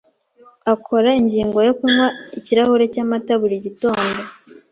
Akora ingingo yo kunywa ikirahuri cyamata buri gitondo.